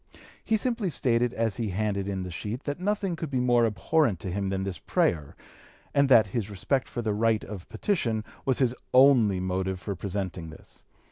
He simply stated as he handed in the sheet that nothing could be more abhorrent to him than this (p. 268) prayer, and that his respect for the right of petition was his only motive for presenting this.